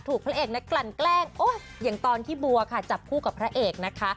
พระเอกนักกลั่นแกล้งอย่างตอนที่บัวค่ะจับคู่กับพระเอกนะคะ